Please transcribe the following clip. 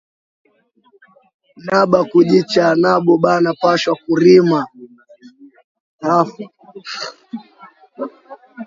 Na ba kujicha nabo bana pashwa ku rima